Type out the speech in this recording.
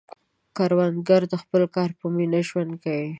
کروندګر د خپل کار په مینه ژوند کوي